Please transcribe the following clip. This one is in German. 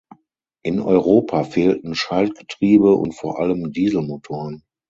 In Europa fehlten Schaltgetriebe und vor allem Dieselmotoren.